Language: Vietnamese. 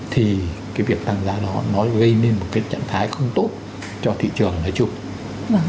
thì cái việc tăng giá đó nó gây nên một cái trạng thái không tốt cho thị trường nói chung